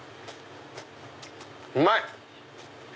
うまい！